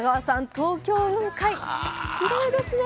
東京雲海、きれいですね。